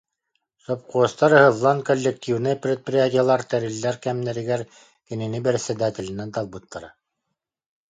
Сопхуостар ыһыллан, кол- лективнай предприятиелар тэриллэр кэмнэригэр кинини бэрэссэдээтэлинэн талбыттара